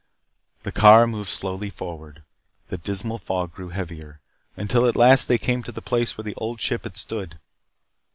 The car moved slowly forward. The dismal fog grew heavier. Until at last they came to the place where the Old Ship had stood.